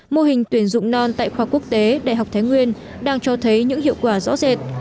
mô hình tuyển dụng non tại khoa quốc tế đại học thái nguyên đang cho thấy những hiệu quả rõ rệt